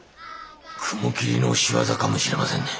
雲霧の仕業かもしれませんね。